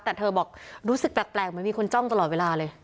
แต่เธอบอกรู้สึกแปลกเหมือนมีคนจ้องตลอดเวลาเลย